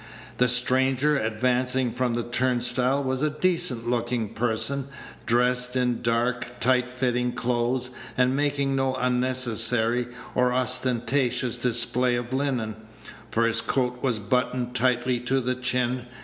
The stranger advancing from the turnstile was a decent looking person, dressed in dark, tight fitting clothes, and making no unnecessary or ostentatious display of linen, for his coat was buttoned tightly to the chin.